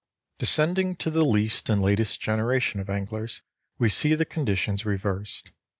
Descending to the least and latest generation of anglers, we see the conditions reversed.